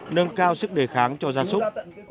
nâng cao sức đề kháng cho da súc